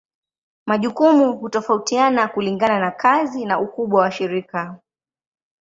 Majukumu hutofautiana kulingana na kazi na ukubwa wa shirika.